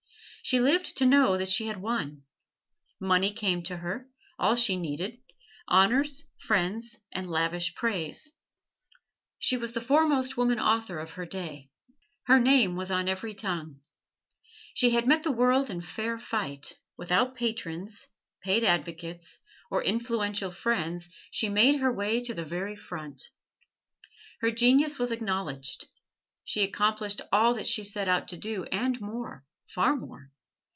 She lived to know that she had won. Money came to her, all she needed, honors, friends and lavish praise. She was the foremost woman author of her day. Her name was on every tongue. She had met the world in fair fight; without patrons, paid advocates, or influential friends she made her way to the very front. Her genius was acknowledged. She accomplished all that she set out to do and more far more.